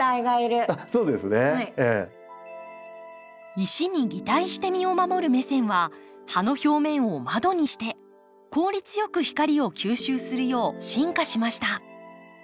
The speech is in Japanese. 石に擬態して身を守るメセンは葉の表面を窓にして効率よく光を吸収するよう進化しました。